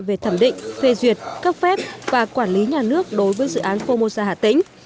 về thẩm định phê duyệt cấp phép và quản lý nhà nước đối với dự án comosa hà tĩnh